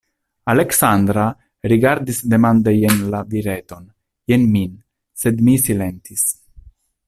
Aleksandra rigardis demande jen la vireton, jen min, sed mi silentis.